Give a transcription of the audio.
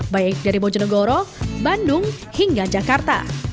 baik dari bojonegoro bandung hingga jakarta